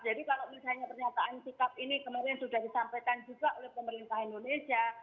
jadi kalau misalnya pernyataan sikap ini kemarin sudah disampaikan juga oleh pemerintah indonesia